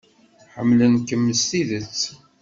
Ḥemmlen-kem s tidet.